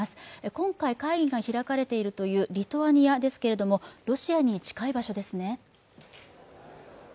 今回、会議が開かれているというリトアニアですが、ロシアに近い場所ですね。